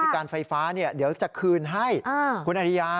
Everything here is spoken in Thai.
การไฟฟ้าเดี๋ยวจะคืนให้คุณอริยา